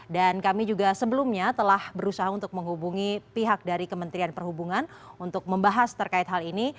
kami juga sebelumnya telah berusaha untuk menghubungi pihak dari kementerian perhubungan untuk membahas terkait hal ini